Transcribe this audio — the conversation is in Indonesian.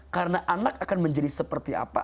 karena anak akan menjadi seperti apa